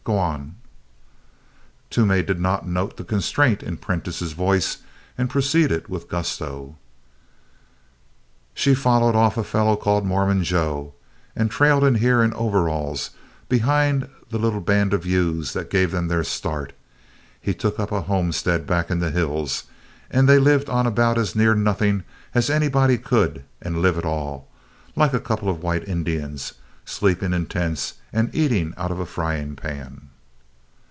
Go on." Toomey did not note the constraint in Prentiss's voice and proceeded with gusto: "She followed off a fellow called Mormon Joe, and trailed in here in overalls behind the little band of ewes that gave them their start. He took up a homestead back in the hills and they lived on about as near nothing as anybody could, and live at all like a couple of white Indians sleeping in tents and eating out of a frying pan.